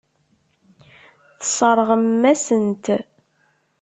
Tesseṛɣem-asen-t.